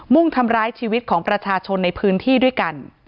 ่งทำร้ายชีวิตของประชาชนในพื้นที่ด้วยกัน